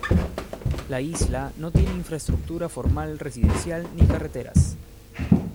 La isla no tiene infraestructura formal residencial ni carreteras.